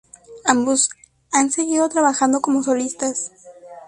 Ambos han seguido trabajando como solistas.